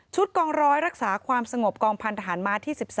กองร้อยรักษาความสงบกองพันธหารม้าที่๑๓